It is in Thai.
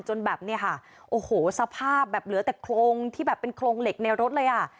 จนแบบเนี่ยค่ะโอ้โหสภาพแบบเหลือแต่โครงที่แบบเป็นโครงเหล็กในรถเลยอ่ะ